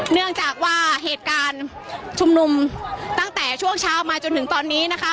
เนื่องจากว่าเหตุการณ์ชุมนุมตั้งแต่ช่วงเช้ามาจนถึงตอนนี้นะคะ